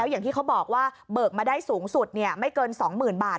อย่างที่เขาบอกว่าเบิกมาได้สูงสุดไม่เกิน๒๐๐๐บาท